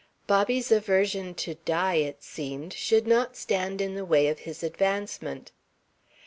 Bobby's aversion to Di, it seemed, should not stand in the way of his advancement.